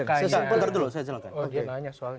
lihat dulu saya jalan kan